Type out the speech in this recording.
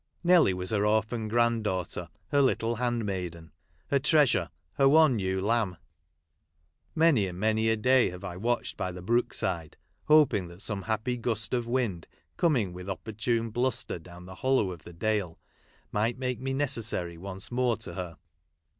Nelly was her orphan granddaughter; her little hand maiden ; her treasure ; her one ewe lamb. Many and many a day have I watched by the brook side, hoping that some happy gust of wind, coming with oppor tune bluster down the hollow of the dale, might make me necessary once more to her.